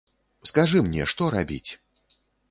Скажы мне, што рабіць?